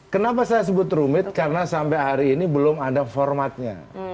kenapa saya sebut rumit karena sampai hari ini belum ada formatnya